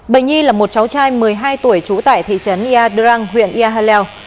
bệnh nhi là một cháu trai một mươi hai tuổi trú tại thị trấn yadrang huyện yahalel